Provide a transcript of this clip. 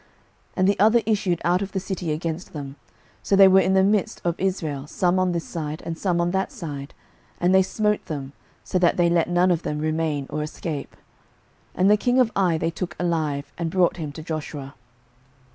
06:008:022 And the other issued out of the city against them; so they were in the midst of Israel, some on this side, and some on that side: and they smote them, so that they let none of them remain or escape. 06:008:023 And the king of Ai they took alive, and brought him to Joshua.